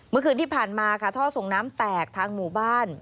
เมื่อคืนที่ผ่านมาค่ะท่อส่งน้ำแตกทางหมู่บ้าน